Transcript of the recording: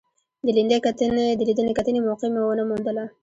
د لیدنې کتنې موقع مې ونه موندله.